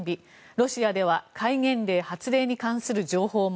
ロシアでは戒厳令発令に関する情報も。